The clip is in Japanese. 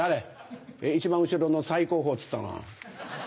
一番後ろの最後方っつったのは。